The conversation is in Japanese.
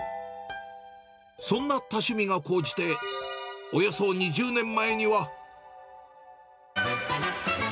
そんな多趣味が高じて、およそ２０年前には。